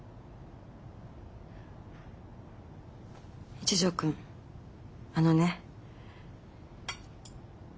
一条くんあのね。